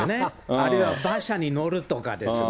あるいは馬車に乗るとかですね。